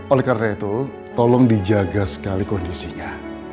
oleh karena itu tolong dijaga sekali kondisinya